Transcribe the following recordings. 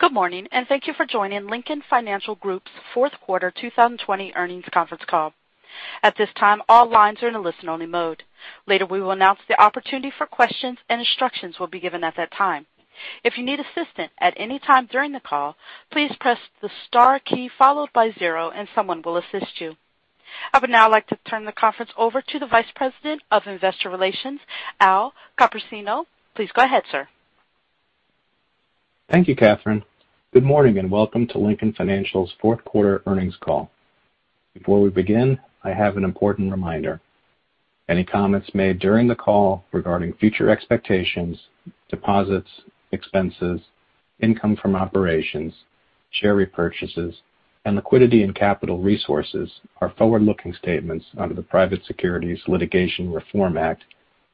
Good morning, and thank you for joining Lincoln Financial Group's fourth quarter 2020 earnings conference call. At this time, all lines are in a listen-only mode. Later, we will announce the opportunity for questions and instructions will be given at that time. If you need assistance at any time during the call, please press the star key followed by zero and someone will assist you. I would now like to turn the conference over to the Vice President of Investor Relations, Al Copersino. Please go ahead, sir. Thank you, Catherine. Good morning and welcome to Lincoln Financial's fourth quarter earnings call. Before we begin, I have an important reminder. Any comments made during the call regarding future expectations, deposits, expenses, income from operations, share repurchases, and liquidity and capital resources are forward-looking statements under the Private Securities Litigation Reform Act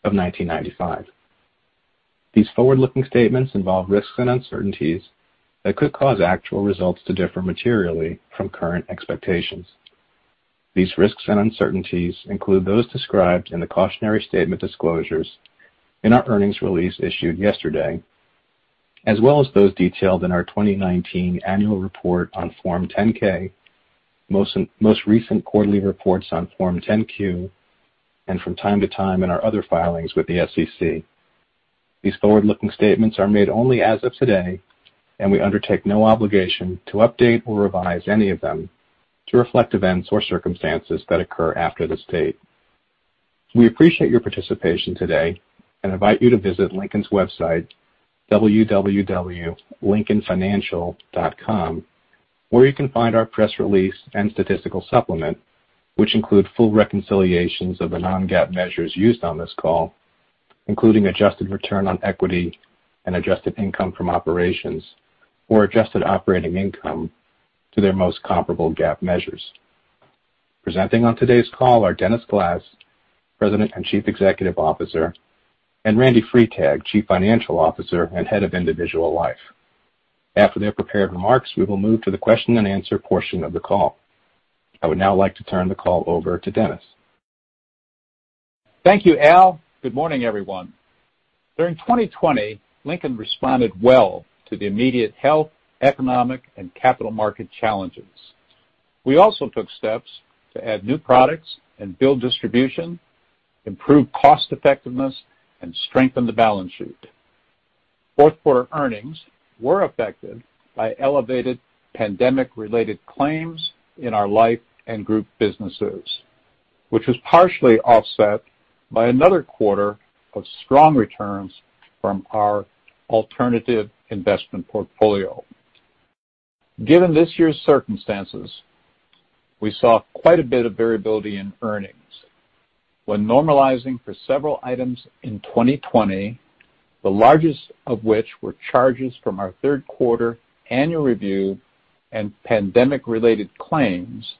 of 1995. These forward-looking statements involve risks and uncertainties that could cause actual results to differ materially from current expectations. These risks and uncertainties include those described in the cautionary statement disclosures in our earnings release issued yesterday, as well as those detailed in our 2019 annual report on Form 10-K, most recent quarterly reports on Form 10-Q, and from time to time in our other filings with the SEC. These forward-looking statements are made only as of today, and we undertake no obligation to update or revise any of them to reflect events or circumstances that occur after this date. We appreciate your participation today and invite you to visit Lincoln's website, www.lincolnfinancial.com, where you can find our press release and statistical supplement, which include full reconciliations of the non-GAAP measures used on this call, including adjusted return on equity and adjusted income from operations or adjusted operating income to their most comparable GAAP measures. Presenting on today's call are Dennis Glass, President and Chief Executive Officer, and Randy Freitag, Chief Financial Officer and Head of Individual Life. After their prepared remarks, we will move to the question and answer portion of the call. I would now like to turn the call over to Dennis. Thank you, Al. Good morning, everyone. During 2020, Lincoln responded well to the immediate health, economic, and capital market challenges. We also took steps to add new products and build distribution, improve cost-effectiveness, and strengthen the balance sheet. Fourth quarter earnings were affected by elevated pandemic-related claims in our life and group businesses, which was partially offset by another quarter of strong returns from our alternative investment portfolio. Given this year's circumstances, we saw quite a bit of variability in earnings. When normalizing for several items in 2020, the largest of which were charges from our third quarter annual review and pandemic-related claims,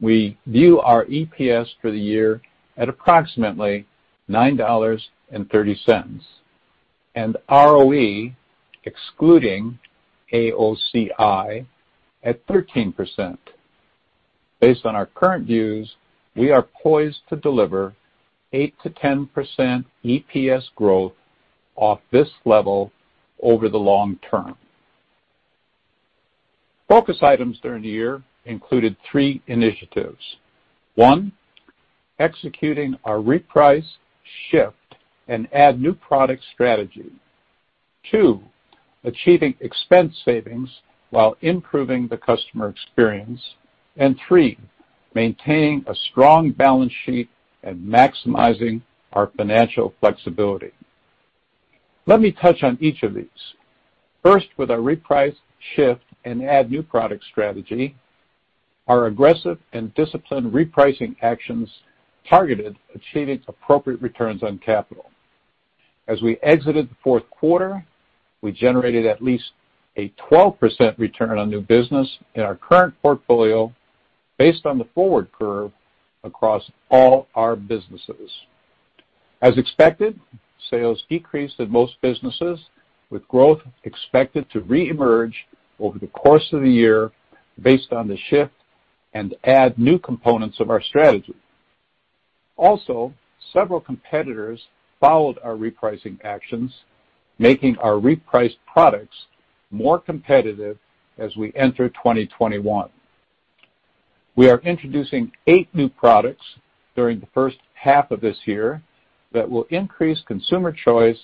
we view our EPS for the year at approximately $9.30, and ROE, excluding AOCI, at 13%. Based on our current views, we are poised to deliver 8%-10% EPS growth off this level over the long term. Focus items during the year included three initiatives. One, executing our reprice, shift, and add new product strategy. Two, achieving expense savings while improving the customer experience. Three, maintaining a strong balance sheet and maximizing our financial flexibility. Let me touch on each of these. First, with our reprice, shift, and add new product strategy, our aggressive and disciplined repricing actions targeted achieving appropriate returns on capital. As we exited the fourth quarter, we generated at least a 12% return on new business in our current portfolio based on the forward curve across all our businesses. As expected, sales decreased in most businesses, with growth expected to reemerge over the course of the year based on the shift and add new components of our strategy. Also, several competitors followed our repricing actions, making our repriced products more competitive as we enter 2021. We are introducing eight new products during the first half of this year that will increase consumer choice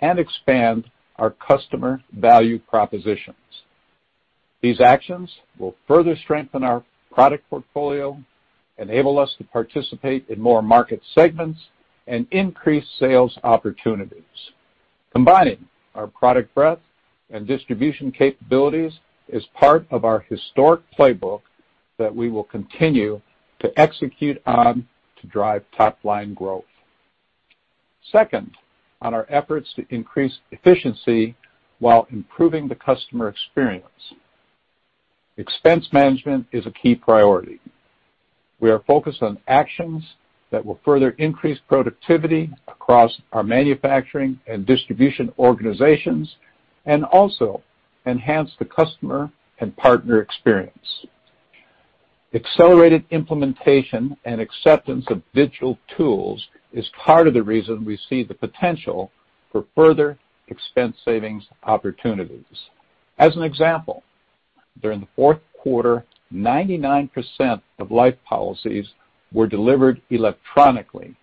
and expand our customer value propositions. These actions will further strengthen our product portfolio, enable us to participate in more market segments, and increase sales opportunities. Combining our product breadth and distribution capabilities is part of our historic playbook that we will continue to execute on to drive top-line growth. Second, on our efforts to increase efficiency while improving the customer experience. Expense management is a key priority. We are focused on actions that will further increase productivity across our manufacturing and distribution organizations and also enhance the customer and partner experience. Accelerated implementation and acceptance of digital tools is part of the reason we see the potential for further expense savings opportunities. As an example, during the fourth quarter, 99% of life policies were delivered electronically,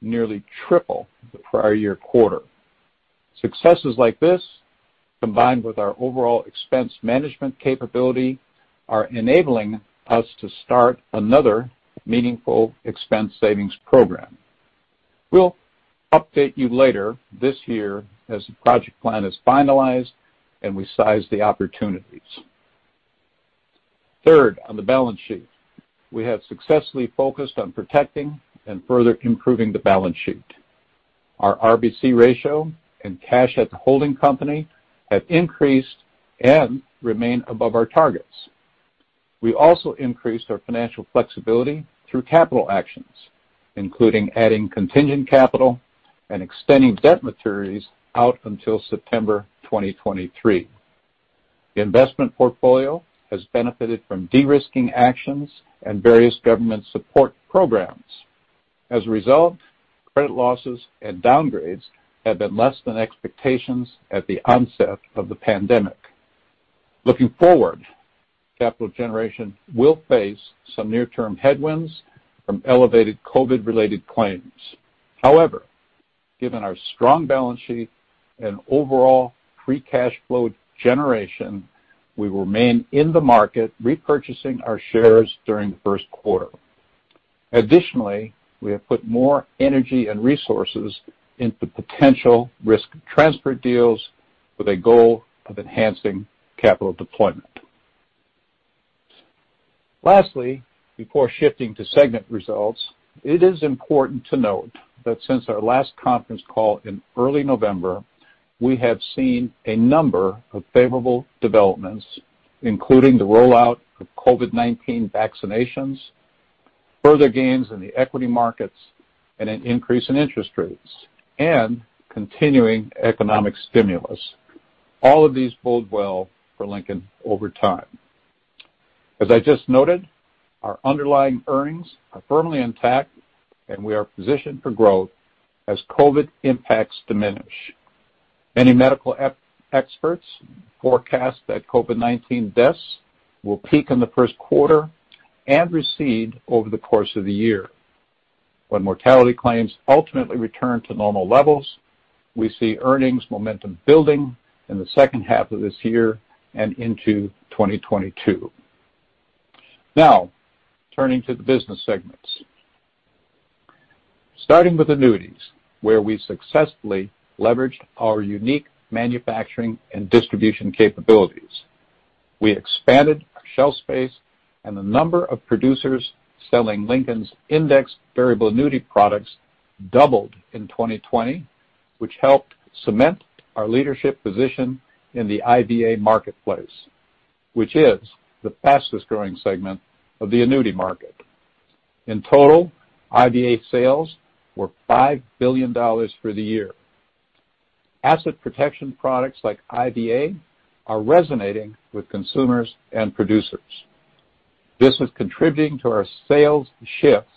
nearly triple the prior year quarter. Successes like this, combined with our overall expense management capability, are enabling us to start another meaningful expense savings program. We will update you later this year as the project plan is finalized and we size the opportunities. Third, on the balance sheet. We have successfully focused on protecting and further improving the balance sheet. Our RBC ratio and cash at the holding company have increased and remain above our targets. We also increased our financial flexibility through capital actions, including adding contingent capital and extending debt maturities out until September 2023. The investment portfolio has benefited from de-risking actions and various government support programs. As a result, credit losses and downgrades have been less than expectations at the onset of the pandemic. Looking forward, capital generation will face some near-term headwinds from elevated COVID-related claims. However, given our strong balance sheet and overall free cash flow generation, we remain in the market repurchasing our shares during the first quarter. Additionally, we have put more energy and resources into potential risk transfer deals with a goal of enhancing capital deployment. Lastly, before shifting to segment results, it is important to note that since our last conference call in early November, we have seen a number of favorable developments, including the rollout of COVID-19 vaccinations, further gains in the equity markets, and an increase in interest rates, and continuing economic stimulus. All of these bode well for Lincoln over time. As I just noted, our underlying earnings are firmly intact, and we are positioned for growth as COVID impacts diminish. Many medical experts forecast that COVID-19 deaths will peak in the first quarter and recede over the course of the year. When mortality claims ultimately return to normal levels, we see earnings momentum building in the second half of this year and into 2022. Turning to the business segments. Starting with annuities, where we successfully leveraged our unique manufacturing and distribution capabilities. We expanded our shelf space and the number of producers selling Lincoln's indexed variable annuity products doubled in 2020, which helped cement our leadership position in the IVA marketplace, which is the fastest-growing segment of the annuity market. In total, IVA sales were $5 billion for the year. Asset protection products like IVA are resonating with consumers and producers. This is contributing to our sales shifts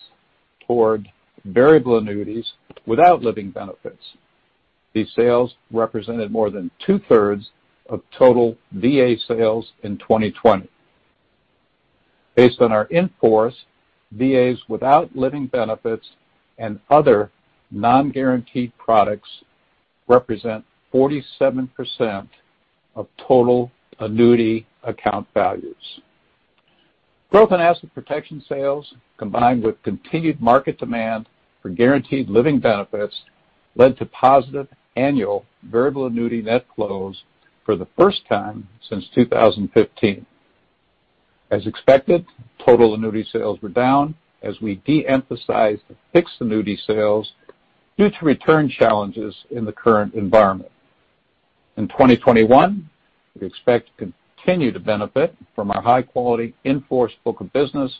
toward variable annuities without living benefits. These sales represented more than two-thirds of total VA sales in 2020. Based on our in-force, VAs without living benefits and other non-guaranteed products represent 47% of total annuity account values. Growth in asset protection sales, combined with continued market demand for guaranteed living benefits, led to positive annual variable annuity net flows for the first time since 2015. As expected, total annuity sales were down as we de-emphasized fixed annuity sales due to return challenges in the current environment. In 2021, we expect to continue to benefit from our high-quality in-force book of business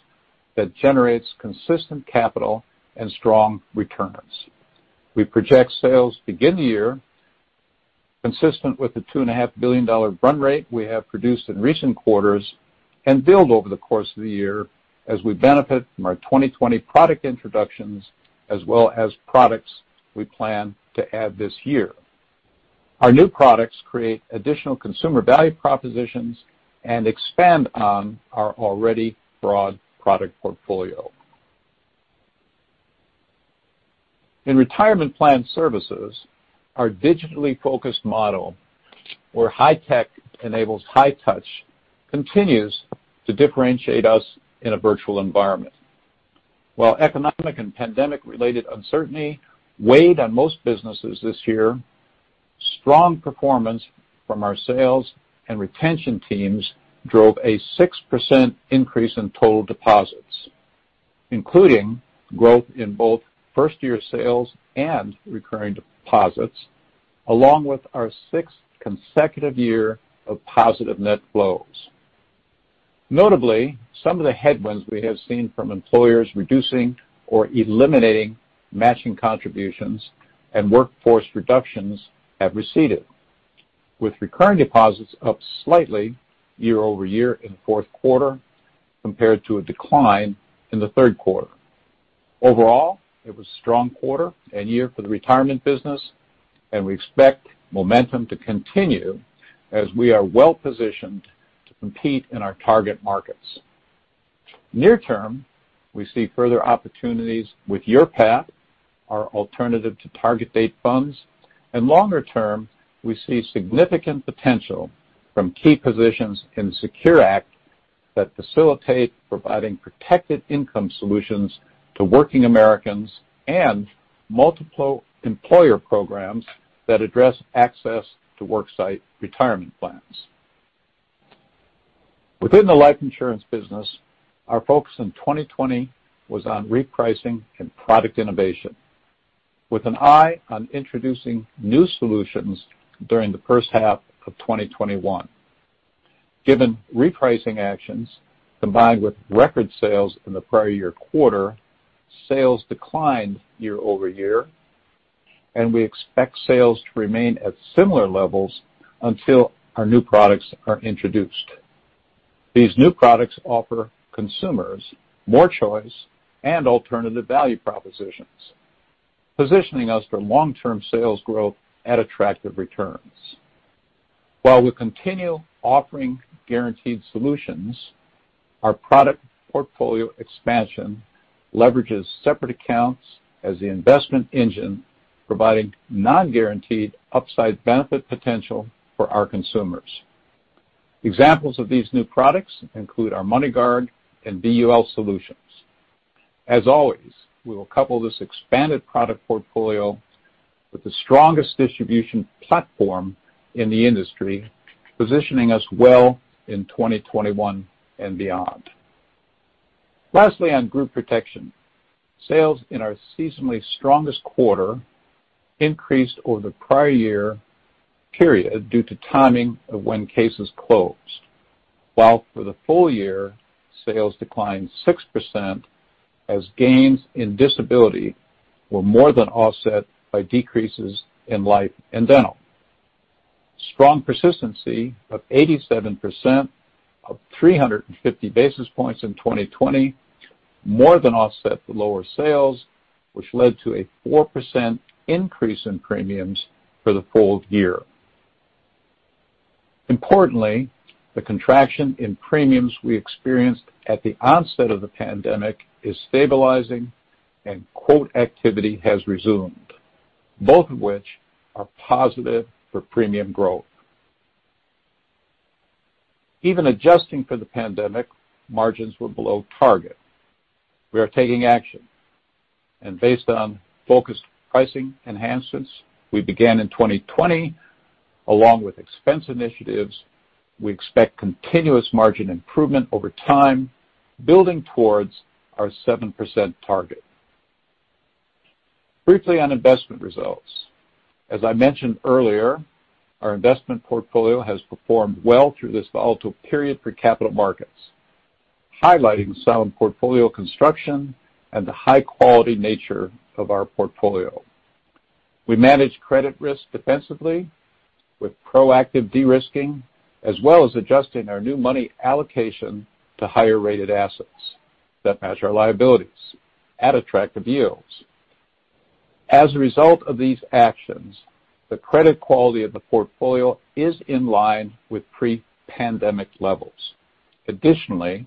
that generates consistent capital and strong returns. We project sales to begin the year consistent with the $2.5 billion run rate we have produced in recent quarters and build over the course of the year as we benefit from our 2020 product introductions as well as products we plan to add this year. Our new products create additional consumer value propositions and expand on our already broad product portfolio. In retirement plan services, our digitally focused model, where high tech enables high touch, continues to differentiate us in a virtual environment. While economic and pandemic-related uncertainty weighed on most businesses this year, strong performance from our sales and retention teams drove a 6% increase in total deposits, including growth in both first-year sales and recurring deposits, along with our sixth consecutive year of positive net flows. Notably, some of the headwinds we have seen from employers reducing or eliminating matching contributions and workforce reductions have receded, with recurring deposits up slightly year-over-year in the fourth quarter compared to a decline in the third quarter. Overall, it was a strong quarter and year for the retirement business, we expect momentum to continue as we are well-positioned to compete in our target markets. Near-term, we see further opportunities with Your Path, our alternative to target date funds, and longer-term, we see significant potential from key positions in SECURE Act that facilitate providing protected income solutions to working Americans and multiple employer programs that address access to worksite retirement plans. Within the life insurance business, our focus in 2020 was on repricing and product innovation with an eye on introducing new solutions during the first half of 2021. Given repricing actions combined with record sales in the prior year quarter, sales declined year-over-year, we expect sales to remain at similar levels until our new products are introduced. These new products offer consumers more choice and alternative value propositions, positioning us for long-term sales growth at attractive returns. While we continue offering guaranteed solutions, our product portfolio expansion leverages separate accounts as the investment engine, providing non-guaranteed upside benefit potential for our consumers. Examples of these new products include our MoneyGuard and VUL solutions. As always, we will couple this expanded product portfolio with the strongest distribution platform in the industry, positioning us well in 2021 and beyond. Lastly, on group protection. Sales in our seasonally strongest quarter increased over the prior year period due to timing of when cases closed. For the full year, sales declined 6% as gains in disability were more than offset by decreases in life and dental. Strong persistency of 87%, up 350 basis points in 2020 more than offset the lower sales, which led to a 4% increase in premiums for the full year. Importantly, the contraction in premiums we experienced at the onset of the pandemic is stabilizing and quote activity has resumed, both of which are positive for premium growth. Even adjusting for the pandemic, margins were below target. We are taking action, and based on focused pricing enhancements we began in 2020, along with expense initiatives, we expect continuous margin improvement over time, building towards our 7% target. Briefly on investment results. As I mentioned earlier, our investment portfolio has performed well through this volatile period for capital markets, highlighting sound portfolio construction and the high-quality nature of our portfolio. We manage credit risk defensively with proactive de-risking as well as adjusting our new money allocation to higher-rated assets that match our liabilities at attractive yields. As a result of these actions, the credit quality of the portfolio is in line with pre-pandemic levels. Additionally,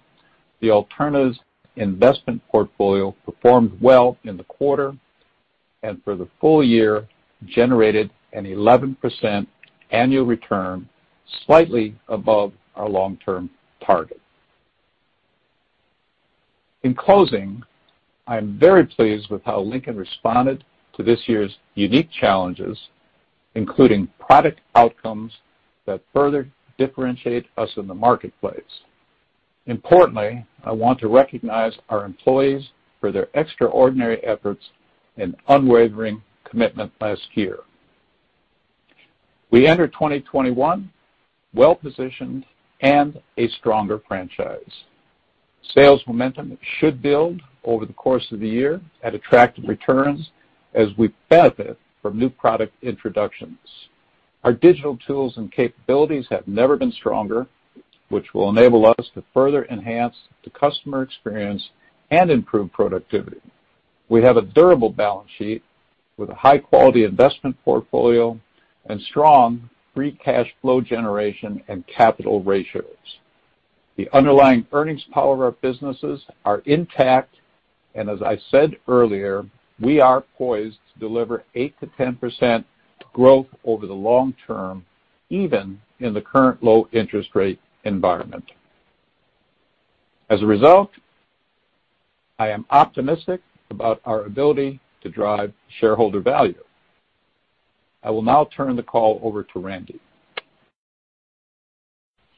the alternatives investment portfolio performed well in the quarter, and for the full year generated an 11% annual return slightly above our long-term target. In closing, I am very pleased with how Lincoln responded to this year's unique challenges, including product outcomes that further differentiate us in the marketplace. Importantly, I want to recognize our employees for their extraordinary efforts and unwavering commitment last year. We enter 2021 well-positioned and a stronger franchise. Sales momentum should build over the course of the year at attractive returns as we benefit from new product introductions. Our digital tools and capabilities have never been stronger, which will enable us to further enhance the customer experience and improve productivity. We have a durable balance sheet with a high-quality investment portfolio and strong free cash flow generation and capital ratios. The underlying earnings power of our businesses are intact, and as I said earlier, we are poised to deliver 8%-10% growth over the long term, even in the current low interest rate environment. As a result, I am optimistic about our ability to drive shareholder value. I will now turn the call over to Randy.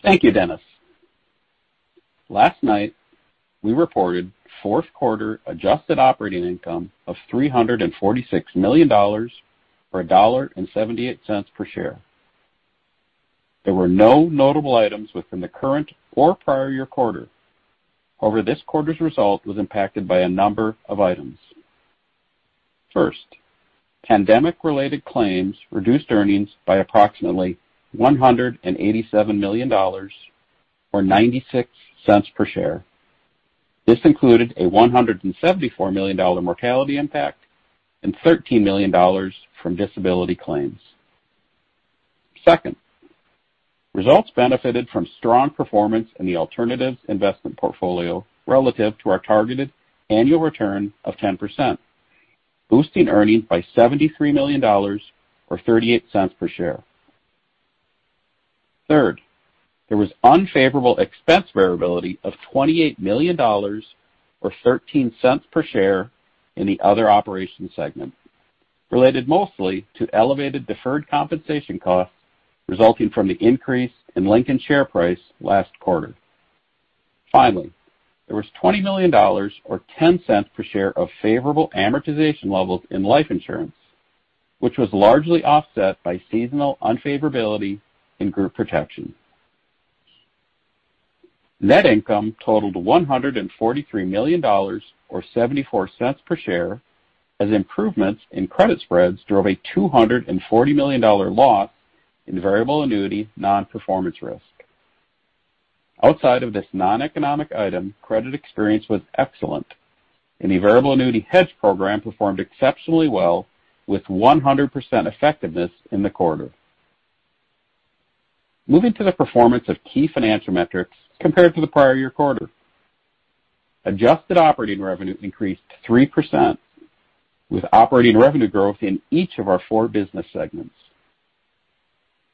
Thank you, Dennis. Last night we reported fourth quarter adjusted operating income of $346 million, or $1.78 per share. There were no notable items within the current or prior year quarter. This quarter's result was impacted by a number of items. First, pandemic-related claims reduced earnings by approximately $187 million, or $0.96 per share. This included a $174 million mortality impact and $13 million from disability claims. Second, results benefited from strong performance in the alternatives investment portfolio relative to our targeted annual return of 10%, boosting earnings by $73 million or $0.38 per share. Third, there was unfavorable expense variability of $28 million or $0.13 per share in the other operations segment, related mostly to elevated deferred compensation costs resulting from the increase in Lincoln share price last quarter. Finally, there was $20 million or $0.10 per share of favorable amortization levels in life insurance, which was largely offset by seasonal unfavorability in group protection. Net income totaled $143 million, or $0.74 per share, as improvements in credit spreads drove a $240 million loss in variable annuity non-performance risk. Outside of this non-economic item, credit experience was excellent, and the variable annuity hedge program performed exceptionally well with 100% effectiveness in the quarter. Moving to the performance of key financial metrics compared to the prior year quarter. Adjusted operating revenue increased 3% with operating revenue growth in each of our four business segments.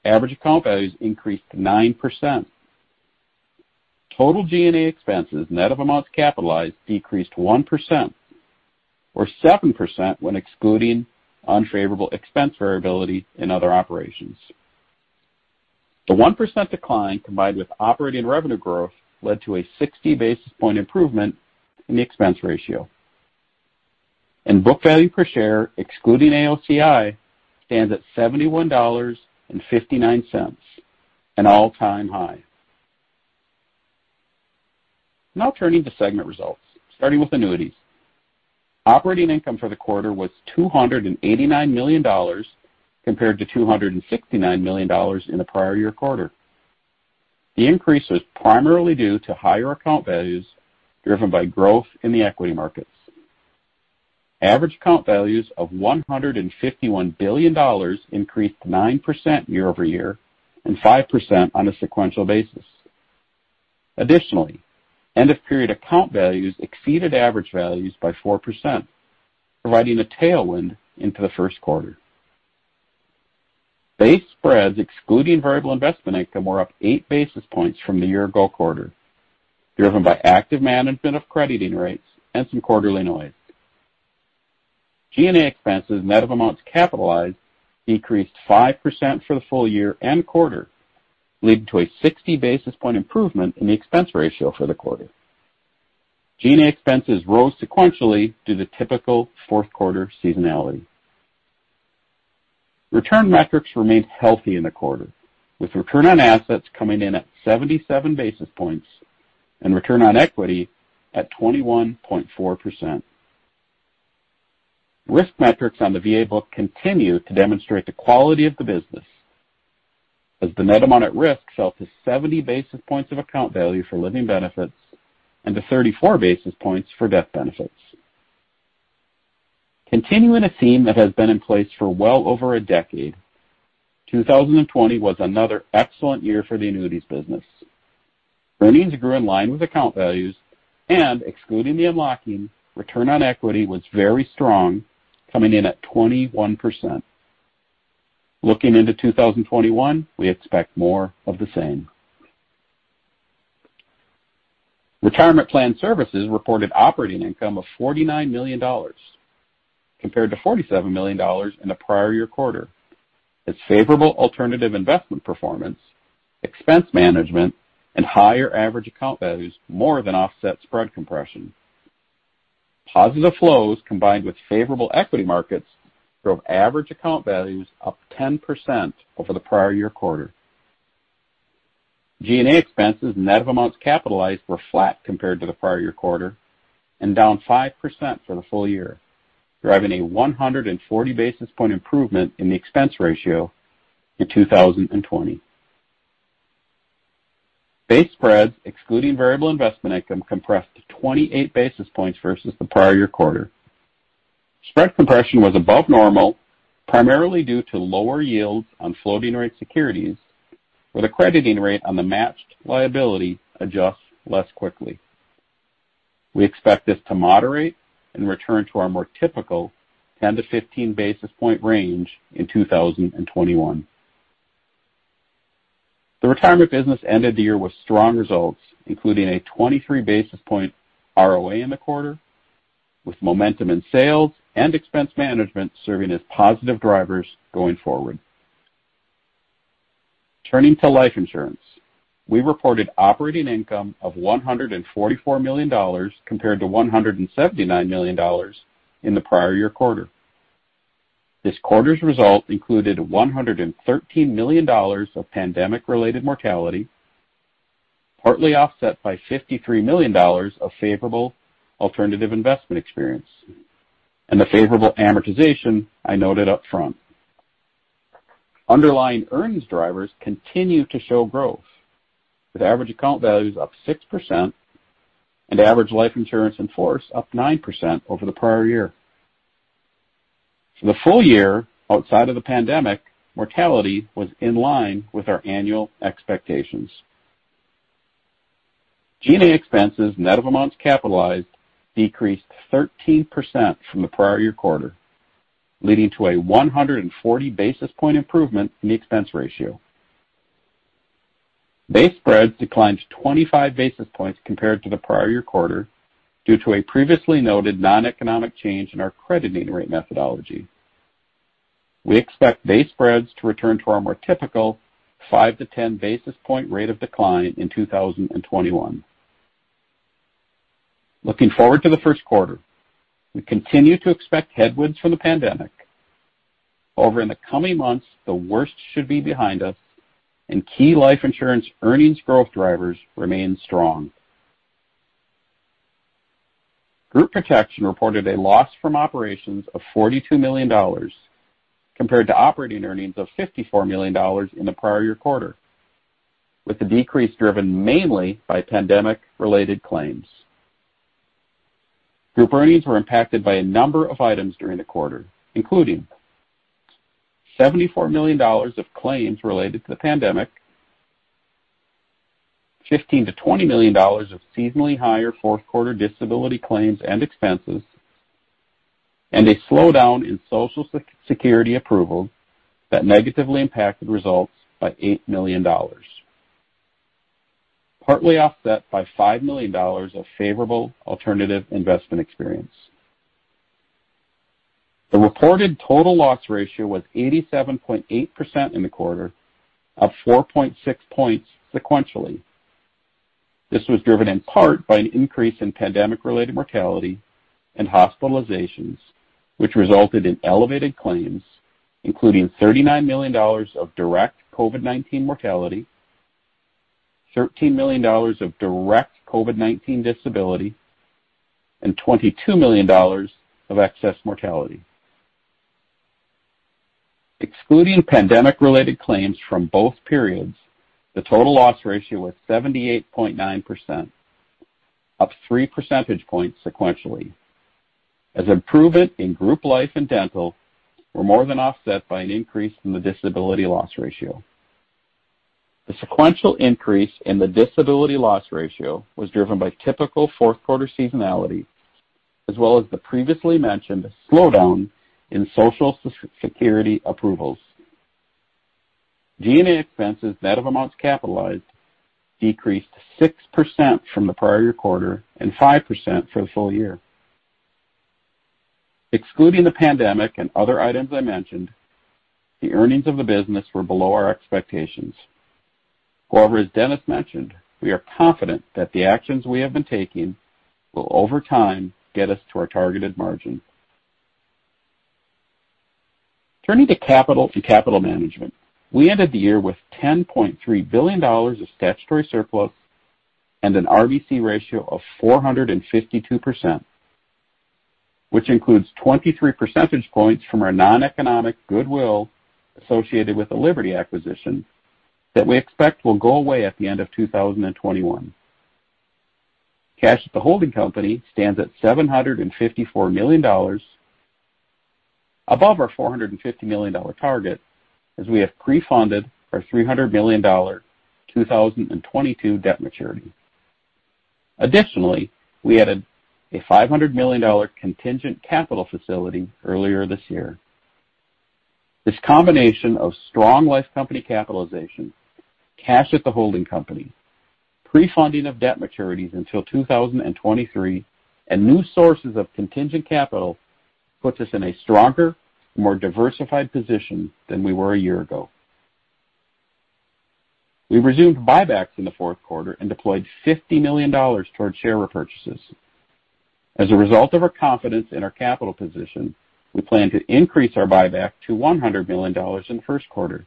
Average account values increased 9%. Total G&A expenses, net of amounts capitalized, decreased 1%, or 7% when excluding unfavorable expense variability in other operations. The 1% decline, combined with operating revenue growth, led to a 60 basis point improvement in the expense ratio. Book value per share, excluding AOCI, stands at $71.59, an all-time high. Now turning to segment results, starting with annuities. Operating income for the quarter was $289 million compared to $269 million in the prior year quarter. The increase was primarily due to higher account values driven by growth in the equity markets. Average account values of $151 billion increased 9% year-over-year and 5% on a sequential basis. Additionally, end-of-period account values exceeded average values by 4%, providing a tailwind into the first quarter. Base spreads excluding variable investment income were up eight basis points from the year ago quarter, driven by active management of crediting rates and some quarterly noise. G&A expenses, net of amounts capitalized, decreased 5% for the full year and quarter, leading to a 60 basis point improvement in the expense ratio for the quarter. G&A expenses rose sequentially due to typical fourth-quarter seasonality. Return metrics remained healthy in the quarter, with return on assets coming in at 77 basis points and return on equity at 21.4%. Risk metrics on the VA book continue to demonstrate the quality of the business, as the net amount at risk fell to 70 basis points of account value for living benefits and to 34 basis points for death benefits. Continuing a theme that has been in place for well over a decade, 2020 was another excellent year for the annuities business. Earnings grew in line with account values and, excluding the unlocking, return on equity was very strong, coming in at 21%. Looking into 2021, we expect more of the same. Retirement Plan Services reported operating income of $49 million compared to $47 million in the prior year quarter, as favorable alternative investment performance, expense management, and higher average account values more than offset spread compression. Positive flows combined with favorable equity markets drove average account values up 10% over the prior year quarter. G&A expenses, net of amounts capitalized, were flat compared to the prior year quarter and down 5% for the full year, driving a 140 basis point improvement in the expense ratio in 2020. Base spreads excluding variable investment income compressed 28 basis points versus the prior year quarter. Spread compression was above normal, primarily due to lower yields on floating rate securities, where the crediting rate on the matched liability adjusts less quickly. We expect this to moderate and return to our more typical 10 to 15 basis point range in 2021. The retirement business ended the year with strong results, including a 23 basis point ROA in the quarter, with momentum in sales and expense management serving as positive drivers going forward. Turning to life insurance. We reported operating income of $144 million compared to $179 million in the prior year quarter. This quarter's result included $113 million of pandemic-related mortality partly offset by $53 million of favorable alternative investment experience and the favorable amortization I noted upfront. Underlying earnings drivers continue to show growth, with average account values up 6% and average life insurance in force up 9% over the prior year. For the full year outside of the pandemic, mortality was in line with our annual expectations. G&A expenses, net of amounts capitalized, decreased 13% from the prior year quarter, leading to a 140 basis point improvement in the expense ratio. Base spreads declined 25 basis points compared to the prior year quarter due to a previously noted noneconomic change in our crediting rate methodology. We expect base spreads to return to our more typical 5 to 10 basis point rate of decline in 2021. Looking forward to the first quarter, we continue to expect headwinds from the pandemic. However, in the coming months, the worst should be behind us, and key life insurance earnings growth drivers remain strong. Group Protection reported a loss from operations of $42 million, compared to operating earnings of $54 million in the prior year quarter, with the decrease driven mainly by pandemic-related claims. Group earnings were impacted by a number of items during the quarter, including $74 million of claims related to the pandemic, $15 million to $20 million of seasonally higher fourth quarter disability claims and expenses, and a slowdown in Social Security approval that negatively impacted results by $8 million. partly offset by $5 million of favorable alternative investment experience. The reported total loss ratio was 87.8% in the quarter, up 4.6 points sequentially. This was driven in part by an increase in pandemic-related mortality and hospitalizations, which resulted in elevated claims, including $39 million of direct COVID-19 mortality, $13 million of direct COVID-19 disability, and $22 million of excess mortality. Excluding pandemic-related claims from both periods, the total loss ratio was 78.9%, up three percentage points sequentially, as improvement in Group Life and Dental were more than offset by an increase in the disability loss ratio. The sequential increase in the disability loss ratio was driven by typical fourth quarter seasonality, as well as the previously mentioned slowdown in Social Security approvals. G&A expenses, net of amounts capitalized, decreased 6% from the prior year quarter and 5% for the full year. Excluding the pandemic and other items I mentioned, the earnings of the business were below our expectations. However, as Dennis mentioned, we are confident that the actions we have been taking will, over time, get us to our targeted margin. Turning to capital and capital management, we ended the year with $10.3 billion of statutory surplus and an RBC ratio of 452%, which includes 23 percentage points from our noneconomic goodwill associated with the Liberty acquisition that we expect will go away at the end of 2021. Cash at the holding company stands at $754 million, above our $450 million target, as we have pre-funded our $300 million 2022 debt maturity. Additionally, we added a $500 million contingent capital facility earlier this year. This combination of strong life company capitalization, cash at the holding company, pre-funding of debt maturities until 2023, and new sources of contingent capital puts us in a stronger, more diversified position than we were a year ago. We resumed buybacks in the fourth quarter and deployed $50 million towards share repurchases. As a result of our confidence in our capital position, we plan to increase our buyback to $100 million in the first quarter,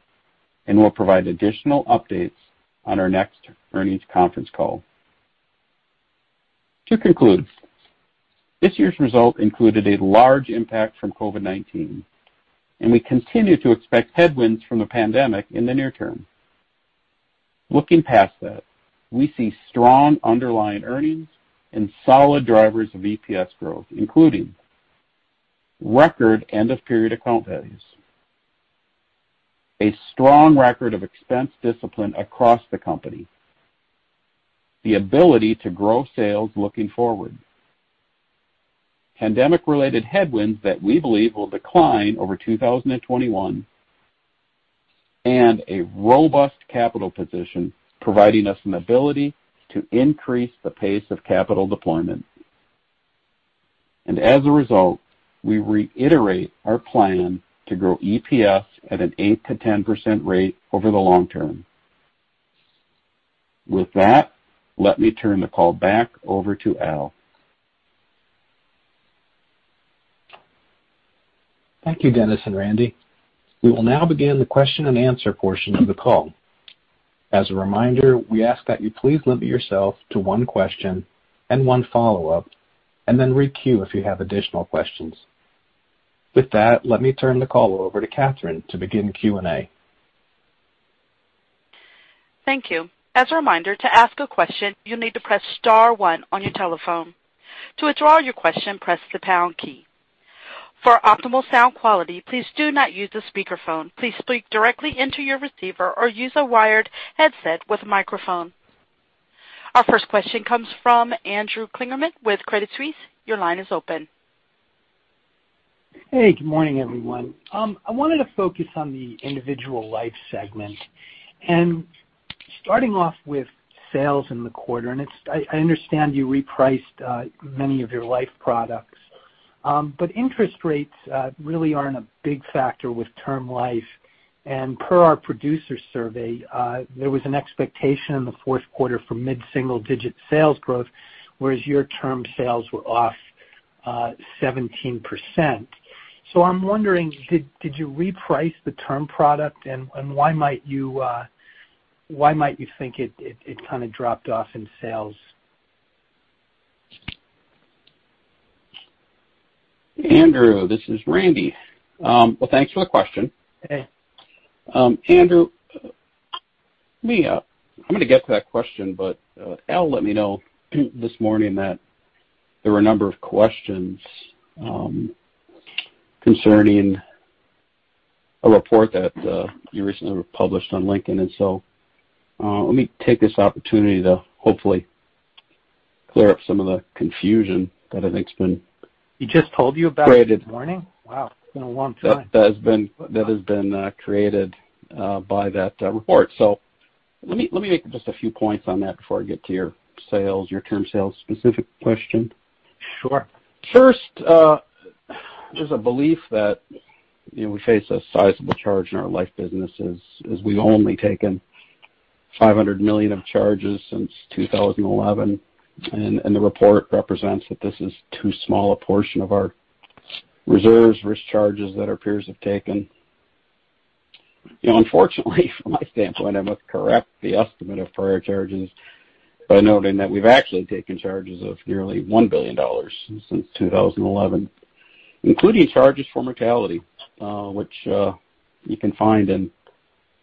and we'll provide additional updates on our next earnings conference call. To conclude, this year's result included a large impact from COVID-19, and we continue to expect headwinds from the pandemic in the near term. Looking past that, we see strong underlying earnings and solid drivers of EPS growth, including record end-of-period account values, a strong record of expense discipline across the company, the ability to grow sales looking forward, pandemic-related headwinds that we believe will decline over 2021, and a robust capital position, providing us an ability to increase the pace of capital deployment. As a result, we reiterate our plan to grow EPS at an 8% to 10% rate over the long term. With that, let me turn the call back over to Al. Thank you, Dennis and Randy. We will now begin the question and answer portion of the call. As a reminder, we ask that you please limit yourself to one question and one follow-up, and then re-queue if you have additional questions. With that, let me turn the call over to Catherine to begin Q&A. Thank you. As a reminder, to ask a question, you will need to press star one on your telephone. To withdraw your question, press the pound key. For optimal sound quality, please do not use the speakerphone. Please speak directly into your receiver or use a wired headset with a microphone. Our first question comes from Andrew Kligerman with Credit Suisse. Your line is open. Hey, good morning, everyone. I wanted to focus on the individual life segment. Starting off with sales in the quarter, I understand you repriced many of your life products. Interest rates really aren't a big factor with term life, per our producer survey, there was an expectation in the fourth quarter for mid-single-digit sales growth, whereas your term sales were off 17%. I'm wondering, did you reprice the term product? Why might you think it kind of dropped off in sales? Andrew, this is Randy. Well, thanks for the question. Hey. Andrew, I'm going to get to that question. Al let me know this morning that there were a number of questions concerning a report that you recently published on Lincoln. Let me take this opportunity to hopefully clear up some of the confusion that I think's been He just told you about it this morning? Created. Wow. It's been a long time That has been created by that report. Let me make just a few points on that before I get to your term sales specific question. Sure. First, there's a belief that we face a sizable charge in our life businesses as we've only taken $500 million of charges since 2011, the report represents that this is too small a portion of our reserves versus charges that our peers have taken. Unfortunately, from my standpoint, I must correct the estimate of prior charges by noting that we've actually taken charges of nearly $1 billion since 2011, including charges for mortality, which you can find in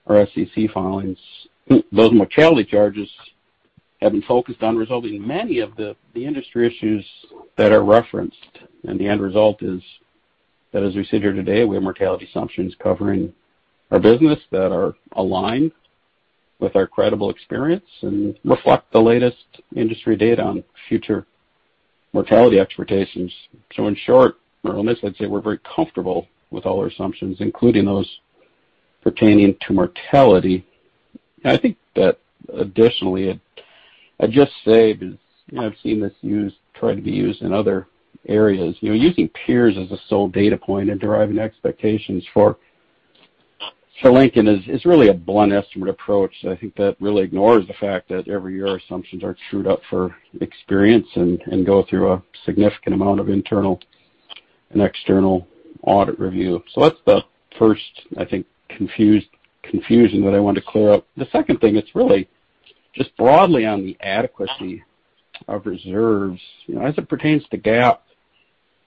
our SEC filings. Those mortality charges have been focused on resolving many of the industry issues that are referenced, the end result is that as we sit here today, we have mortality assumptions covering our business that are aligned with our credible experience and reflect the latest industry data on future mortality expectations. In short, or on this, I'd say we're very comfortable with all our assumptions, including those pertaining to mortality. Additionally, I'd just say, because I've seen this try to be used in other areas, using peers as a sole data point in deriving expectations for Lincoln is really a blunt estimate approach, that really ignores the fact that every year assumptions are trued up for experience and go through a significant amount of internal and external audit review. That's the first confusion that I want to clear up. The second thing, it's really just broadly on the adequacy of reserves. As it pertains to GAAP,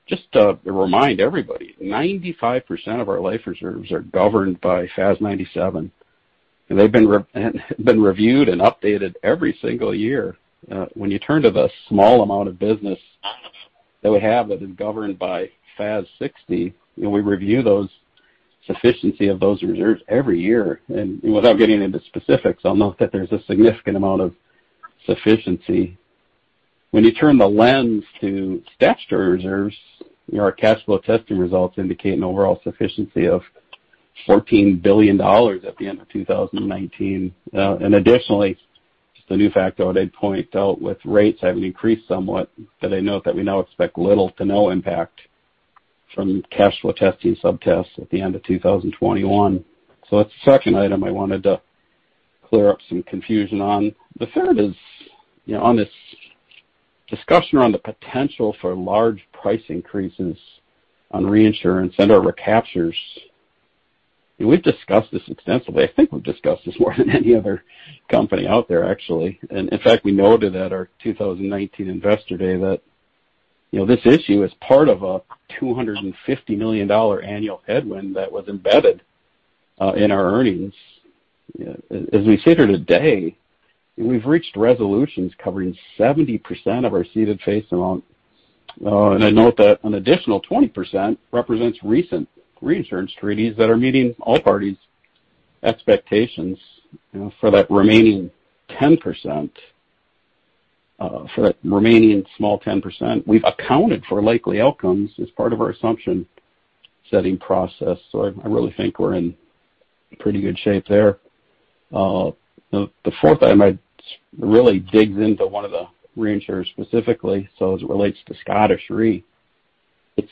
just to remind everybody, 95% of our life reserves are governed by FAS 97, and they've been reviewed and updated every single year. When you turn to the small amount of business that we have that is governed by FAS 60, we review those sufficiency of those reserves every year. Without getting into specifics, I'll note that there's a significant amount of sufficiency. When you turn the lens to statutory reserves, our cash flow testing results indicate an overall sufficiency of $14 billion at the end of 2019. Additionally, just a new factor I'd point out with rates having increased somewhat, that I note that we now expect little to no impact from cash flow testing sub-tests at the end of 2021. That's the second item I wanted to clear up some confusion on. The third is on this discussion around the potential for large price increases on reinsurance and our recaptures. We've discussed this extensively. We've discussed this more than any other company out there, actually. In fact, we noted at our 2019 Investor Day that this issue is part of a $250 million annual headwind that was embedded in our earnings. As we sit here today, we've reached resolutions covering 70% of our ceded face amount. I note that an additional 20% represents recent reinsurance treaties that are meeting all parties' expectations. For that remaining 10%, for that remaining small 10%, we've accounted for likely outcomes as part of our assumption setting process. I really think we're in pretty good shape there. The fourth item really digs into one of the reinsurers specifically. As it relates to Scottish Re, it's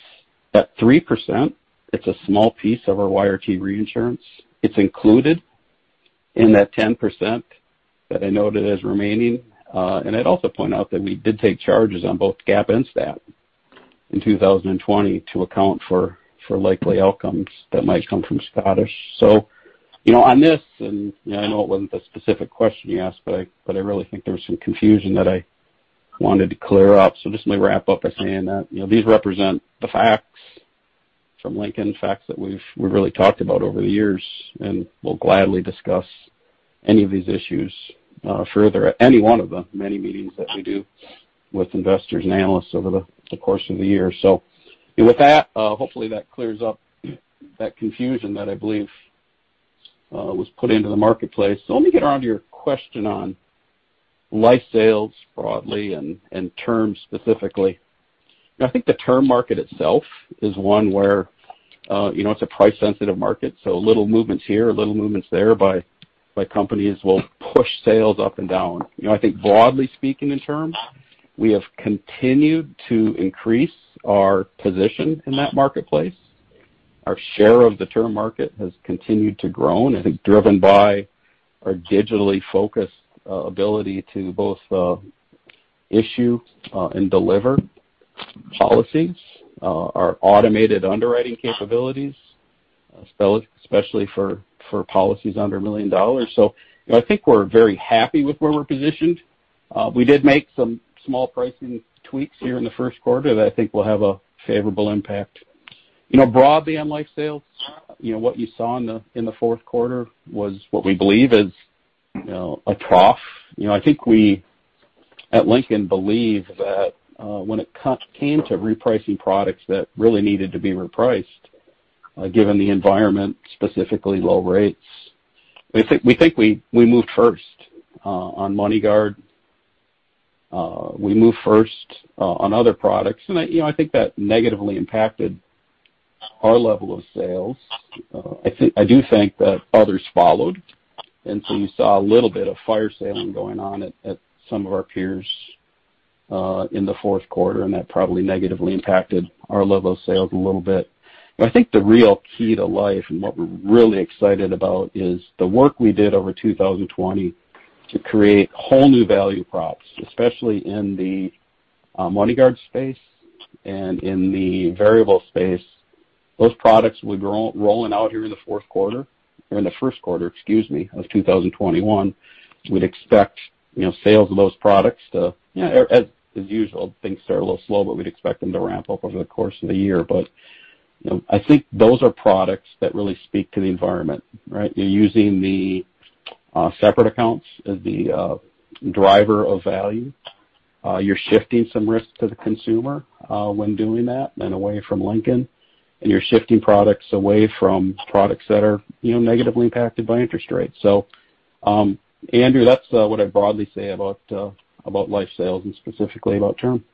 at 3%, it's a small piece of our YRT reinsurance. It's included in that 10% that I noted as remaining, I'd also point out that we did take charges on both GAAP and STAT in 2020 to account for likely outcomes that might come from Scottish. On this, and I know it wasn't the specific question you asked, I really think there was some confusion that I wanted to clear up. Just let me wrap up by saying that these represent the facts from Lincoln, facts that we've really talked about over the years, we'll gladly discuss any of these issues further at any one of the many meetings that we do with investors and analysts over the course of the year. With that, hopefully that clears up that confusion that I believe was put into the marketplace. Let me get around to your question on life sales broadly and term specifically. I think the term market itself is one where it's a price-sensitive market, so little movements here, little movements there by companies will push sales up and down. I think broadly speaking in terms, we have continued to increase our position in that marketplace. Our share of the term market has continued to grow, and I think driven by our digitally focused ability to both issue and deliver policies, our automated underwriting capabilities, especially for policies under $1 million. I think we're very happy with where we're positioned. We did make some small pricing tweaks here in the first quarter that I think will have a favorable impact. Broadly on life sales, what you saw in the fourth quarter was what we believe is a trough. I think we at Lincoln believe that when it came to repricing products that really needed to be repriced, given the environment, specifically low rates, we think we moved first on MoneyGuard. We moved first on other products, and I think that negatively impacted our level of sales. I do think that others followed, and so you saw a little bit of fire selling going on at some of our peers in the fourth quarter, and that probably negatively impacted our level of sales a little bit. I think the real key to life and what we're really excited about is the work we did over 2020 to create whole new value props, especially in the MoneyGuard space and in the variable space. Those products will be rolling out here in the fourth quarter or in the first quarter, excuse me, of 2021. We'd expect sales of those products to, as usual, things start a little slow, but we'd expect them to ramp up over the course of the year. I think those are products that really speak to the environment, right? You're using the separate accounts as the driver of value. You're shifting some risk to the consumer when doing that and away from Lincoln, and you're shifting products away from products that are negatively impacted by interest rates. Andrew, that's what I'd broadly say about life sales and specifically about term.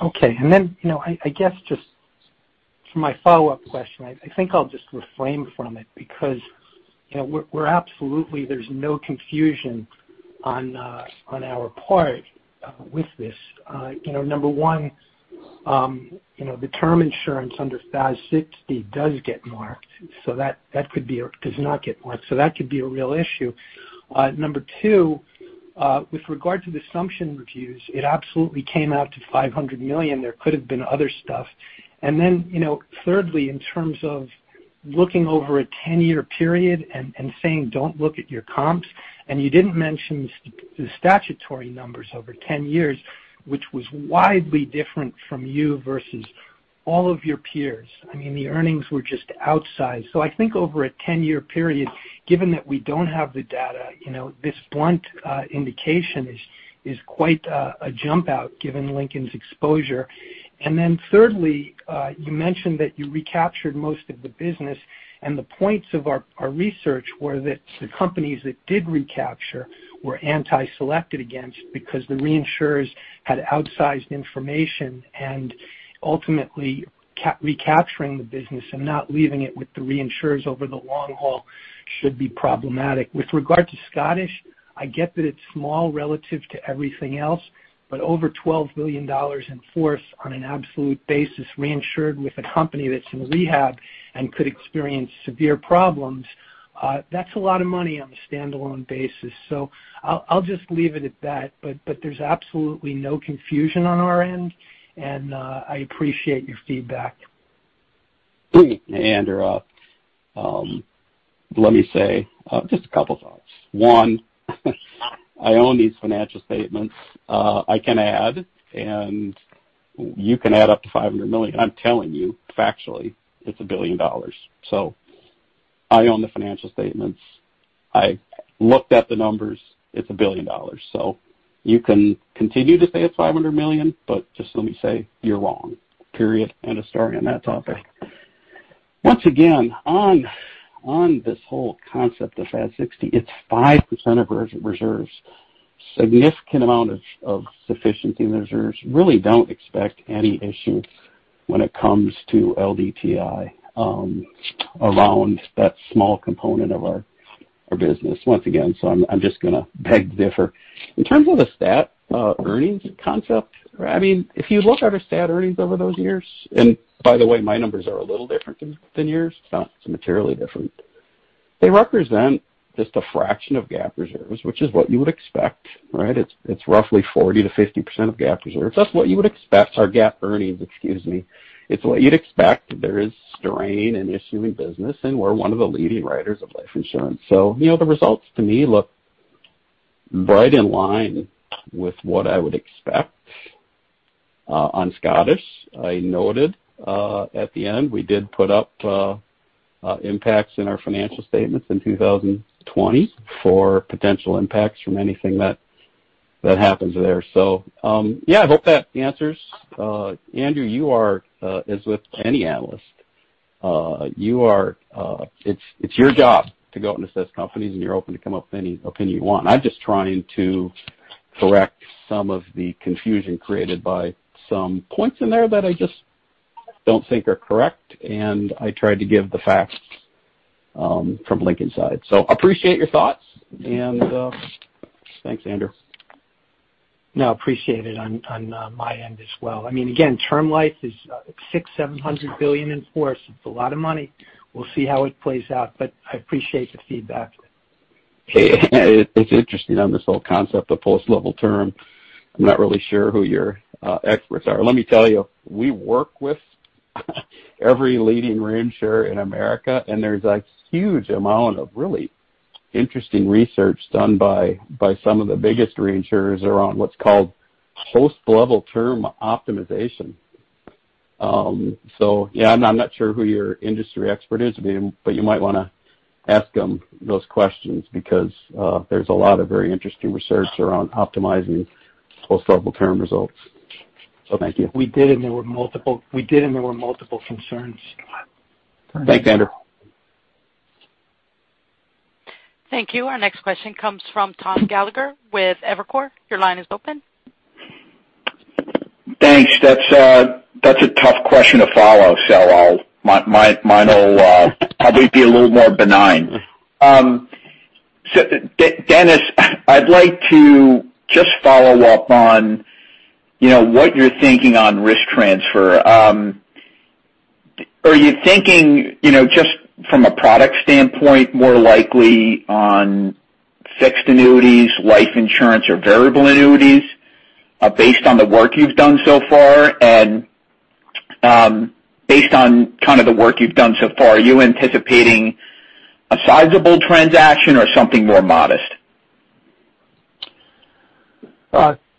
Okay. Then, I guess just for my follow-up question, I think I'll just refrain from it because we're absolutely, there's no confusion on our part with this. Number one, the term insurance under FAS 60 does get marked, so that could be or does not get marked, so that could be a real issue. Number two, with regard to the assumption reviews, it absolutely came out to $500 million. There could have been other stuff. Then thirdly, in terms of looking over a 10-year period and saying, "Don't look at your comps," and you didn't mention the statutory numbers over 10 years, which was widely different from you versus all of your peers. I mean, the earnings were just outsized. I think over a 10-year period, given that we don't have the data, this blunt indication is quite a jump out given Lincoln's exposure. thirdly, you mentioned that you recaptured most of the business, and the points of our research were that the companies that did recapture were anti-selected against because the reinsurers had outsized information, and ultimately recapturing the business and not leaving it with the reinsurers over the long haul should be problematic. With regard to Scottish Re, I get that it's small relative to everything else, but over $12 million in force on an absolute basis reinsured with a company that's in rehab and could experience severe problems, that's a lot of money on a standalone basis. I'll just leave it at that. There's absolutely no confusion on our end, and I appreciate your feedback. Andrew, let me say just a couple thoughts. One, I own these financial statements. I can add, and you can add up to $500 million. I'm telling you factually, it's $1 billion. I own the financial statements. I looked at the numbers. It's $1 billion. You can continue to say it's $500 million, just let me say you're wrong. Period, end of story on that topic. Once again, on this whole concept of FAS 60, it's 5% of reserves. Significant amount of sufficiency reserves. Really don't expect any issues when it comes to LDTI around that small component of our business. Once again, I'm just going to beg to differ. In terms of the STAT earnings concept, if you look at our STAT earnings over those years, and by the way, my numbers are a little different than yours. It's not materially different. They represent just a fraction of GAAP reserves, which is what you would expect, right? It's roughly 40%-50% of GAAP reserves. That's what you would expect. Or GAAP earnings, excuse me. It's what you'd expect. There is strain in issuing business, and we're one of the leading writers of life insurance. The results to me look right in line with what I would expect. On Scottish Re, I noted at the end, we did put up impacts in our financial statements in 2020 for potential impacts from anything that happens there. Yeah, I hope that answers. Andrew, as with any analyst, it's your job to go out and assess companies, and you're open to come up with any opinion you want. I'm just trying to correct some of the confusion created by some points in there that I just don't think are correct, and I tried to give the facts from Lincoln's side. Appreciate your thoughts, and thanks, Andrew. No, appreciate it on my end as well. Again, term life is $600 billion, $700 billion in force. It's a lot of money. We'll see how it plays out, I appreciate the feedback. It's interesting on this whole concept of post-level term. I'm not really sure who your experts are. Let me tell you, we work with every leading reinsurer in America, there's a huge amount of really interesting research done by some of the biggest reinsurers around what's called post-level term optimization. Yeah, I'm not sure who your industry expert is, you might want to ask them those questions because there's a lot of very interesting research around optimizing post-level term results. Thank you. We did, there were multiple concerns. Thanks, Andrew. Thank you. Our next question comes from Tom Gallagher with Evercore. Your line is open. Thanks. That's a tough question to follow, so mine will probably be a little more benign. Dennis, I'd like to just follow up on what you're thinking on risk transfer. Are you thinking, just from a product standpoint, more likely on fixed annuities, life insurance, or variable annuities? Based on the work you've done so far, are you anticipating a sizable transaction or something more modest?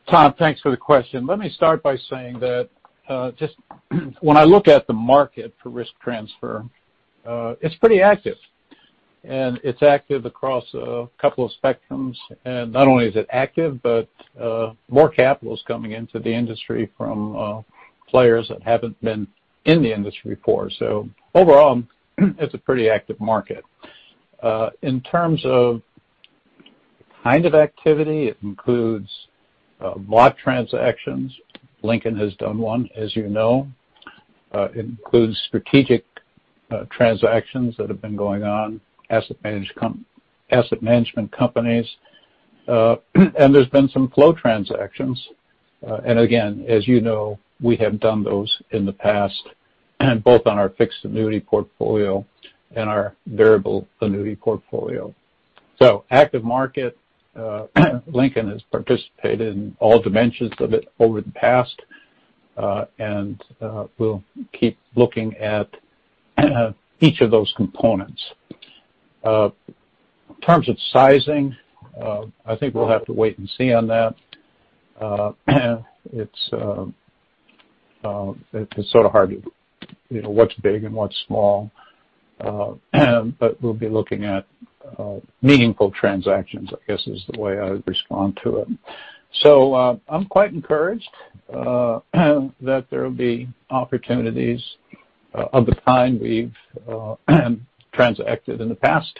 Tom, thanks for the question. Let me start by saying that just when I look at the market for risk transfer, it's pretty active, and it's active across a couple of spectrums. Not only is it active, but more capital is coming into the industry from players that haven't been in the industry before. Overall, it's a pretty active market. In terms of kind of activity, it includes block transactions. Lincoln has done one, as you know. Includes strategic transactions that have been going on, asset management companies, and there's been some flow transactions. Again, as you know, we have done those in the past, both on our fixed annuity portfolio and our variable annuity portfolio. Active market. Lincoln has participated in all dimensions of it over the past, and we'll keep looking at each of those components. In terms of sizing, I think we'll have to wait and see on that. It's sort of hard to know what's big and what's small, but we'll be looking at meaningful transactions, I guess is the way I would respond to it. I'm quite encouraged that there will be opportunities of the kind we've transacted in the past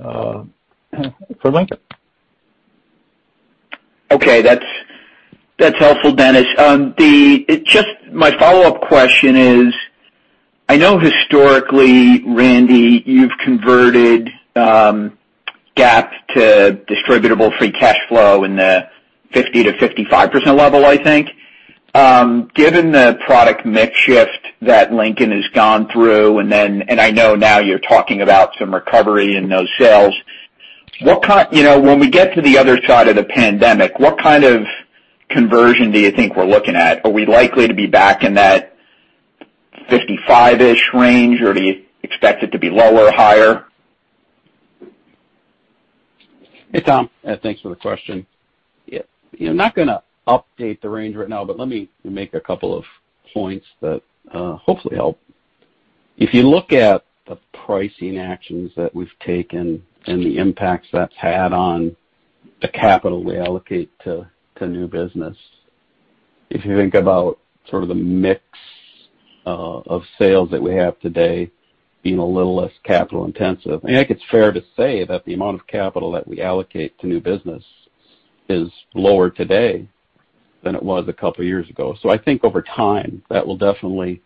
for Lincoln. Okay. That's helpful, Dennis. My follow-up question is, I know historically, Randy, you've converted GAAP to distributable free cash flow in the 50%-55% level, I think. Given the product mix shift that Lincoln has gone through, and I know now you're talking about some recovery in those sales, when we get to the other side of the pandemic, what kind of conversion do you think we're looking at? Are we likely to be back in that 55-ish range, or do you expect it to be lower or higher? Hey, Tom. Thanks for the question. I'm not going to update the range right now, but let me make a couple of points that hopefully help. If you look at the pricing actions that we've taken and the impacts that's had on the capital we allocate to new business, if you think about sort of the mix of sales that we have today being a little less capital intensive, I think it's fair to say that the amount of capital that we allocate to new business is lower today than it was a couple of years ago. I think over time, that will definitely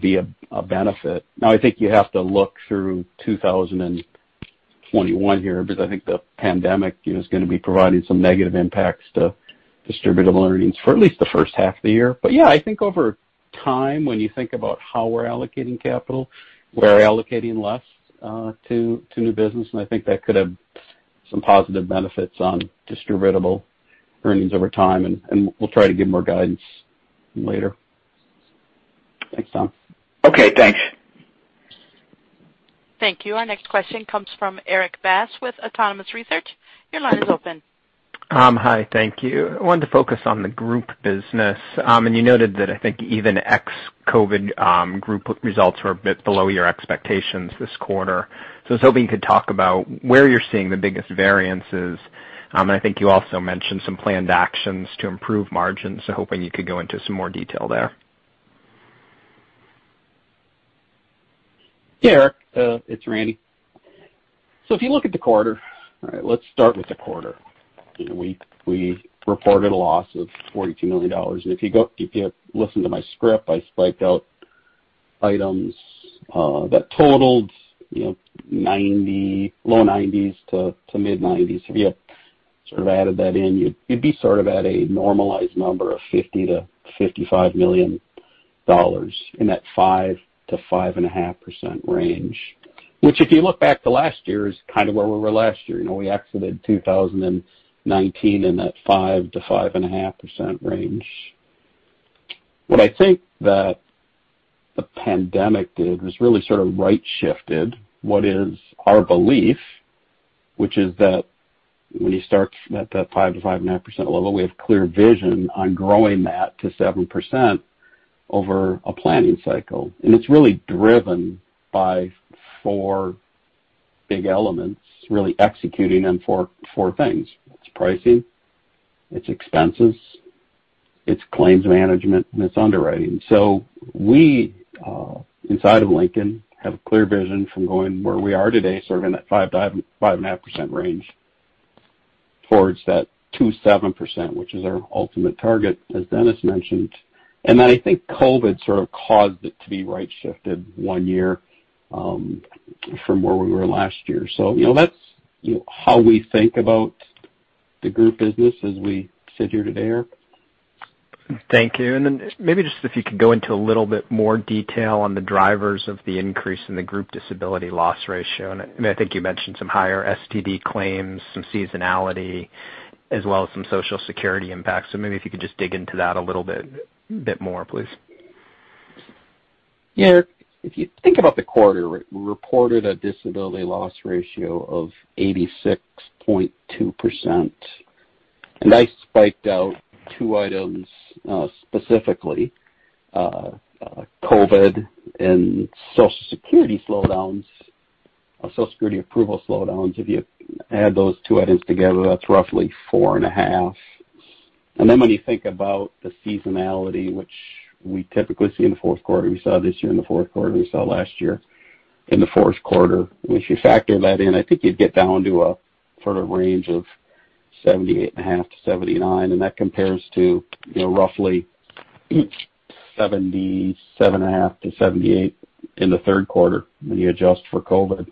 be a benefit. I think you have to look through 2021 here because I think the pandemic is going to be providing some negative impacts to distributable earnings for at least the first half of the year. Yeah, I think over time, when you think about how we're allocating capital, we're allocating less to new business, and I think that could have some positive benefits on distributable earnings over time, and we'll try to give more guidance later. Thanks, Tom. Okay, thanks. Thank you. Our next question comes from Erik Bass with Autonomous Research. Your line is open. Hi, thank you. I wanted to focus on the Group business. You noted that I think even ex-COVID Group results were a bit below your expectations this quarter. I was hoping you could talk about where you're seeing the biggest variances. I think you also mentioned some planned actions to improve margins. I'm hoping you could go into some more detail there. Yeah, Erik, it's Randy. If you look at the quarter, let's start with the quarter. We reported a loss of $42 million. If you listen to my script, I spiked out items that totaled low nineties to mid-nineties. If you added that in, you'd be at a normalized number of $50 to $55 million in that 5%-5.5% range. Which if you look back to last year, is kind of where we were last year. We exited 2019 in that 5%-5.5% range. What I think that the pandemic did was really sort of right-shifted what is our belief, which is that when you start at that 5%-5.5% level, we have clear vision on growing that to 7% over a planning cycle. It's really driven by four big elements, really executing on four things. It's pricing, it's expenses, it's claims management, and it's underwriting. We, inside of Lincoln, have a clear vision from going where we are today, sort of in that 5%-5.5% range, towards that to 7%, which is our ultimate target, as Dennis mentioned. I think COVID sort of caused it to be right shifted one year from where we were last year. That's how we think about the Group business as we sit here today, Erik. Thank you. Maybe just if you could go into a little bit more detail on the drivers of the increase in the Group disability loss ratio, and I think you mentioned some higher STD claims, some seasonality, as well as some Social Security impacts. Maybe if you could just dig into that a little bit more, please. Yeah. If you think about the quarter, we reported a disability loss ratio of 86.2%. I spiked out two items specifically, COVID and Social Security slowdowns or Social Security approval slowdowns. If you add those two items together, that's roughly four and a half. When you think about the seasonality, which we typically see in the fourth quarter, we saw it this year in the fourth quarter, we saw it last year in the fourth quarter. Once you factor that in, I think you'd get down to a sort of range of 78.5%-79%, and that compares to roughly 77.5%-78% in the third quarter when you adjust for COVID.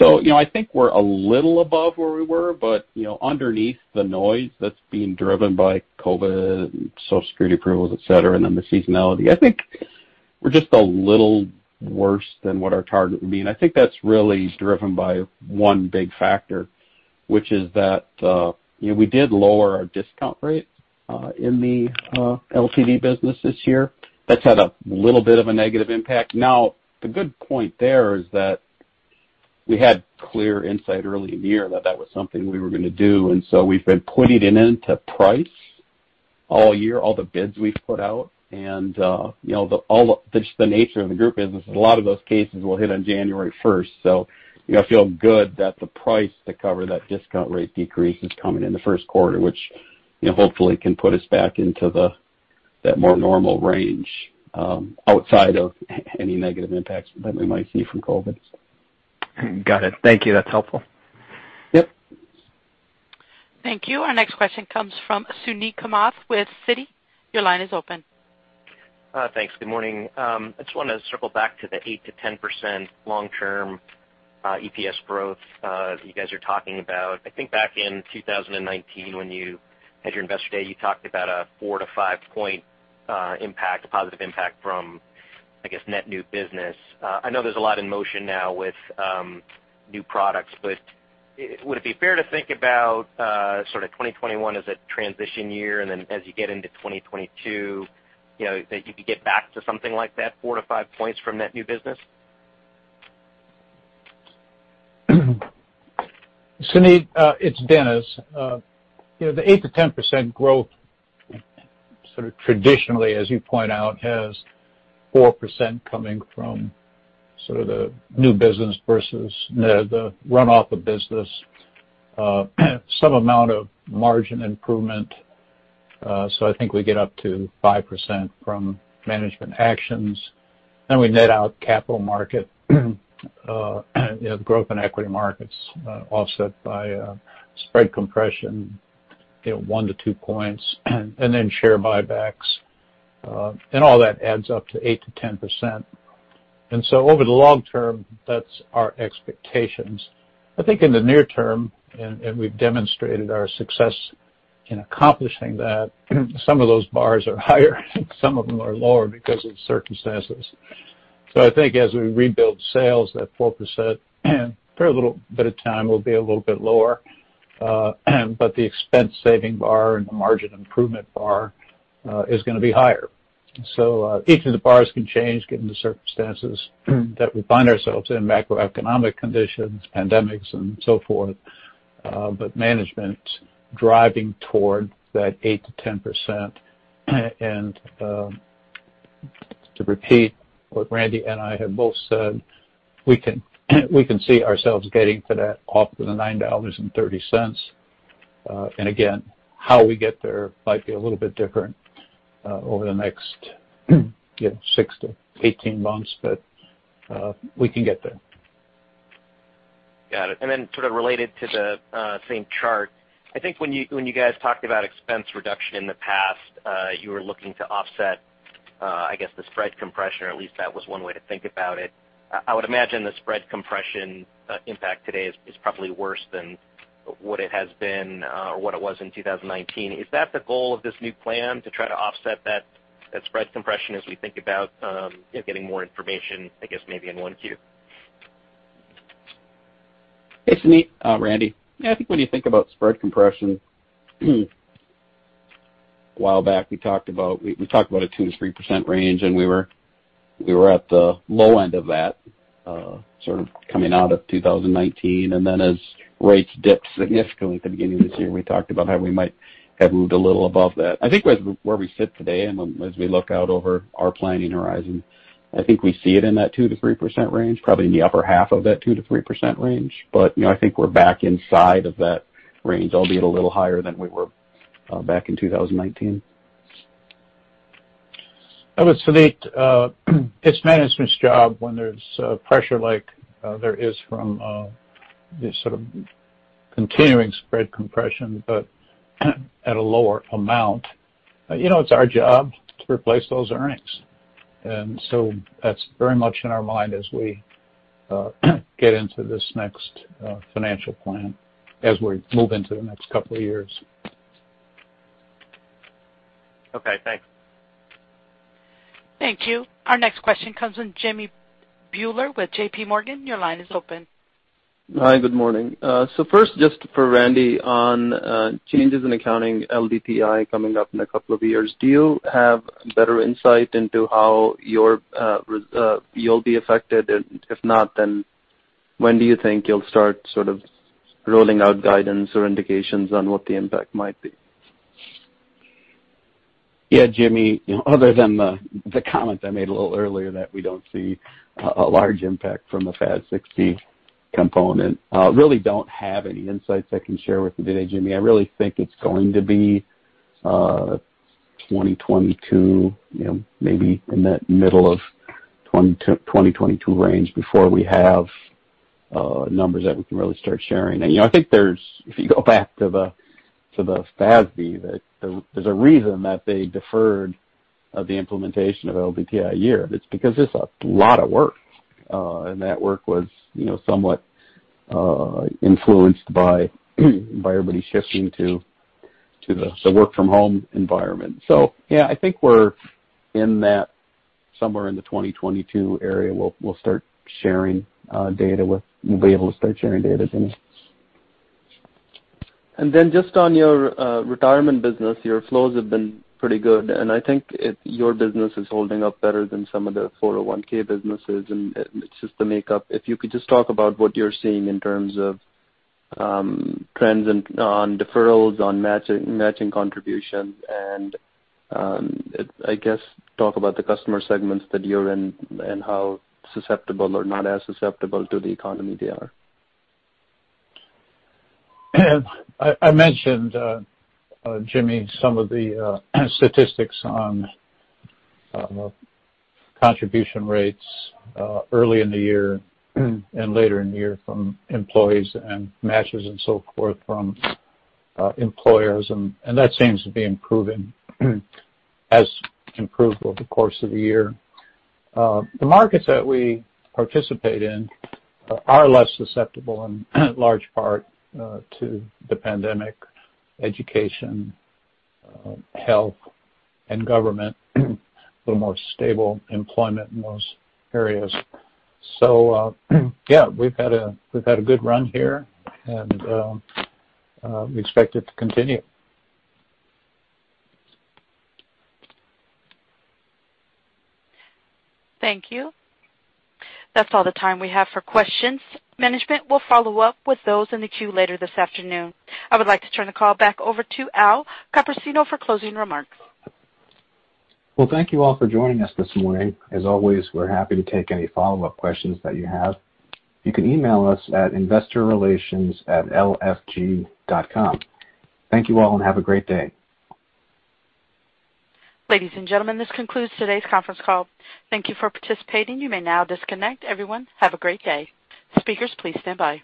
I think we're a little above where we were, but underneath the noise that's being driven by COVID, Social Security approvals, et cetera, and then the seasonality, I think we're just a little worse than what our target would be, and I think that's really driven by one big factor, which is that we did lower our discount rate in the LTC business this year. The good point there is that we had clear insight early in the year that that was something we were going to do, we've been putting it into price all year, all the bids we've put out. Just the nature of the Group business is a lot of those cases will hit on January 1st, so I feel good that the price to cover that discount rate decrease is coming in the first quarter, which hopefully can put us back into that more normal range outside of any negative impacts that we might see from COVID. Got it. Thank you. That's helpful. Yep. Thank you. Our next question comes from Suneet Kamath with Citi. Your line is open. Thanks. Good morning. I just want to circle back to the 8%-10% long-term EPS growth that you guys are talking about. I think back in 2019 when you had your Investor Day, you talked about a four to five point positive impact from, I guess, net new business. I know there's a lot in motion now with new products, but would it be fair to think about sort of 2021 as a transition year, then as you get into 2022, that you could get back to something like that, four to five points from net new business? Suneet, it's Dennis. The 8%-10% growth sort of traditionally, as you point out, has 4% coming from sort of the new business versus the runoff of business. Some amount of margin improvement. I think we get up to 5% from management actions. We net out capital market, the growth in equity markets offset by spread compression, one to two points, then share buybacks. All that adds up to 8%-10%. Over the long term, that's our expectations. I think in the near term, and we've demonstrated our success in accomplishing that, some of those bars are higher, and some of them are lower because of circumstances. I think as we rebuild sales, that 4%, for a little bit of time, will be a little bit lower. The expense saving bar and the margin improvement bar is going to be higher. Each of the bars can change given the circumstances that we find ourselves in, macroeconomic conditions, pandemics, and so forth. Management's driving toward that 8%-10%. To repeat what Randy and I have both said, we can see ourselves getting to that off of the $9.30. Again, how we get there might be a little bit different over the next six to 18 months, but we can get there. Got it. Then sort of related to the same chart, I think when you guys talked about expense reduction in the past, you were looking to offset, I guess, the spread compression, or at least that was one way to think about it. I would imagine the spread compression impact today is probably worse than what it has been or what it was in 2019. Is that the goal of this new plan, to try to offset that spread compression as we think about getting more information, I guess, maybe in one Q? Hey, Suneet. Randy. I think when you think about spread compression, a while back, we talked about a 2%-3% range, and we were at the low end of that sort of coming out of 2019. Then as rates dipped significantly at the beginning of this year, we talked about how we might have moved a little above that. I think where we sit today and as we look out over our planning horizon, I think we see it in that 2%-3% range, probably in the upper half of that 2%-3% range. I think we're back inside of that range, albeit a little higher than we were back in 2019. I would say, Suneet, it's management's job when there's pressure like there is from this sort of continuing spread compression, but at a lower amount. It's our job to replace those earnings. That's very much in our mind as we get into this next financial plan as we move into the next couple of years. Okay, thanks. Thank you. Our next question comes from Jimmy Bhoola with J.P. Morgan. Your line is open. First, just for Randy on changes in accounting LDTI coming up in a couple of years. Do you have better insight into how you'll be affected? If not, then when do you think you'll start sort of rolling out guidance or indications on what the impact might be? Jimmy, other than the comment I made a little earlier that we don't see a large impact from the FAS 60 component. Really don't have any insights I can share with you today, Jimmy. I really think it's going to be 2022, maybe in that middle of 2022 range before we have numbers that we can really start sharing. I think if you go back to the FASB, there's a reason that they deferred the implementation of LDTI a year. It's because it's a lot of work. That work was somewhat influenced by everybody shifting to the work from home environment. I think we're in that somewhere in the 2022 area, we'll be able to start sharing data, Jimmy. Just on your retirement business, your flows have been pretty good, and I think your business is holding up better than some of the 401 businesses. It's just the makeup. If you could just talk about what you're seeing in terms of trends on deferrals, on matching contributions, I guess talk about the customer segments that you're in and how susceptible or not as susceptible to the economy they are. I mentioned, Jimmy, some of the statistics on contribution rates early in the year and later in the year from employees and matches and so forth from employers. That seems to be improving. Has improved over the course of the year. The markets that we participate in are less susceptible, in large part, to the pandemic, education, health, and government. A little more stable employment in those areas. Yeah, we've had a good run here, and we expect it to continue. Thank you. That's all the time we have for questions. Management will follow up with those in the queue later this afternoon. I would like to turn the call back over to Al Copersino for closing remarks. Thank you all for joining us this morning. As always, we're happy to take any follow-up questions that you have. You can email us at investorrelations@lfg.com. Thank you all and have a great day. Ladies and gentlemen, this concludes today's conference call. Thank you for participating. You may now disconnect. Everyone, have a great day. Speakers, please standby.